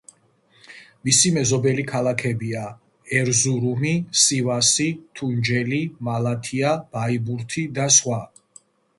მისი მეზობელი ქალაქებია: ერზურუმი, სივასი, თუნჯელი, მალათია, ბაიბურთი და სხვა.